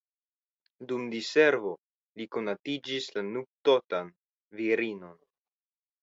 Dum diservo li konatiĝis la nuptotan virinon.